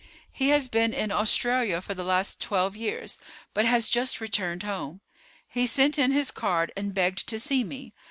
"He has been in Australia for the last twelve years, but has just returned home. He sent in his card and begged to see me.